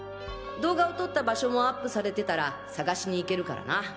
動画を撮った場所もアップされてたら探しに行けるからな。